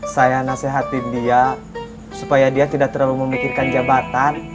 saya nasihatin dia supaya dia tidak terlalu memikirkan jabatan